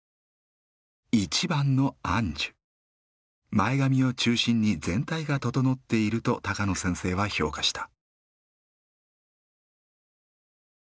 前髪を中心に全体が整っていると高野先生は評価した。